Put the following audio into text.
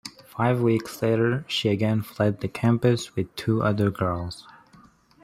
Five weeks later, she again fled the campus with two other girls.